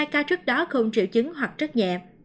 một mươi hai ca trước đó không triệu chứng hoặc rất nhẹ